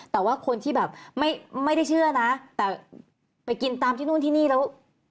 แต่ว่าคนที่แบบไม่ได้เชื่อนะแต่ไปกินตามที่นู่นที่นี่แล้ว